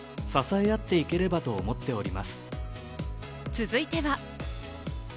続いては。